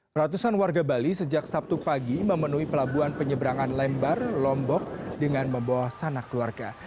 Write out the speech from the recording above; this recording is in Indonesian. ratusan warga bali sejak sabtu pagi memenuhi pelabuhan penyeberangan lembar lombok dengan membawa sanak keluarga